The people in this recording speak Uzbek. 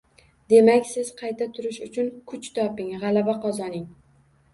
Demak siz qayta turish uchun kuch toping, g‘alaba qozoning